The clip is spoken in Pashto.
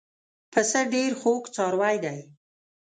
پسه ډېر خوږ څاروی دی.